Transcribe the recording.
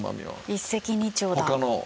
一石二鳥だ。